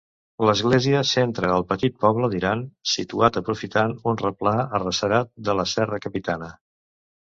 L'església centra el petit poble d'Iran, situat aprofitant un replà arrecerat de la Serra Capitana.